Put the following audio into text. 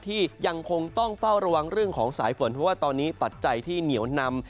ที่ยังคงต้องเฝ้าระวังเรื่องของสายฝนเพราะว่าตอนนี้ปัจจัยที่เหนียวนำ